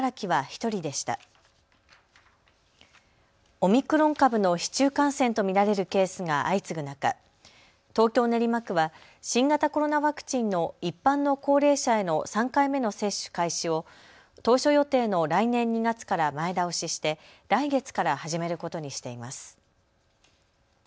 オミクロン株の市中感染と見られるケースが相次ぐ中、東京練馬区は新型コロナワクチンの一般の高齢者への３回目の接種開始を当初予定の来年２月から前倒しして来月から始めることにしています。